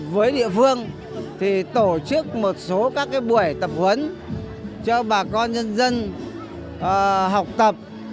với địa phương tổ chức một số buổi tập huấn cho bà con dân dân học tập